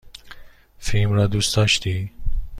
فیلم را دوست داشتی؟